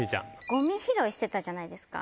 ごみ拾いしてたじゃないですか。